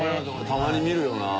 たまに見るよなあ。